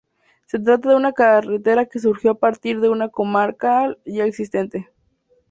Se trata de una carretera que surgió a partir de una comarcal ya existente.